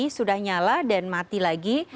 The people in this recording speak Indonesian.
sudah nyala dan mati lagi